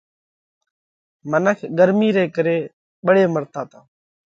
منک ڳرمِي ري ڪري ٻۯي مرتا تا۔